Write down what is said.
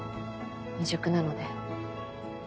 未熟なので。